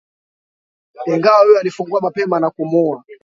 Ingawa huyo alimfunga mapema na kumuua